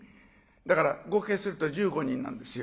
だから合計すると１５人なんですよ。